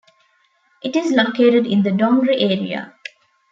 It is located in the Dongri area.